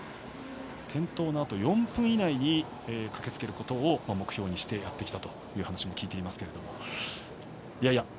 転倒のあと４分以内に駆けつけることを目標にしてやってきたという話も聞いていますけれども。